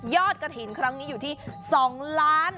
ยอดกระถิ่นครั้งนี้อยู่ที่๒๑๕๘๙๗๔บาท